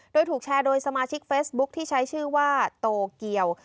โดยถูกแชร์โดยสมาชิกเฟซบุ๊คที่ใช้ชื่อว่าโตเกียว